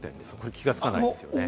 気が付かないですね。